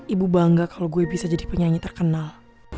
ibu bangga kalau gue bisa jadi penyanyi terkenal